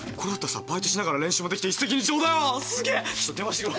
ちょっと電話してくる。